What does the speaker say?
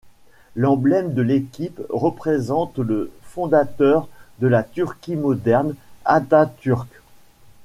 L'emblème de l'équipe représente le fondateur de la Turquie moderne, Atatürk.